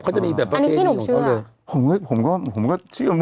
อันนี้ที่หนูเชื่อ